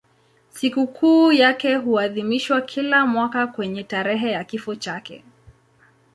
Sikukuu yake huadhimishwa kila mwaka kwenye tarehe ya kifo chake.